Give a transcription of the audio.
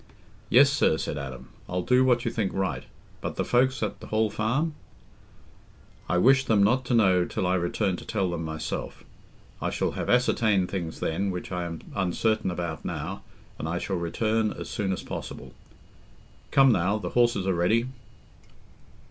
"Yes, sir," said Adam, "I'll do what you think right. But the folks at th' Hall Farm?" "I wish them not to know till I return to tell them myself. I shall have ascertained things then which I am uncertain about now, and I shall return as soon as possible. Come now, the horses are ready."